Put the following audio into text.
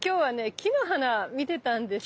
木の花見てたんですよ。